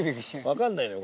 わかんないのよ。